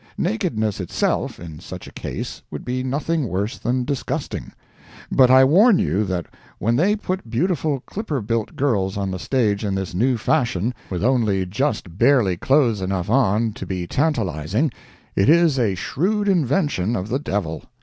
Nakedness itself, in such a case, would be nothing worse than disgusting. But I warn you that when they put beautiful clipper built girls on the stage in this new fashion, with only just barely clothes enough on to be tantalizing, it is a shrewd invention of the devil.